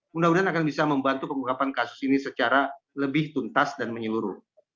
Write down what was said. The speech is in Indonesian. mudah mudahan akan bisa membantu pengungkapan kasus ini secara lebih tuntas dan menyeluruh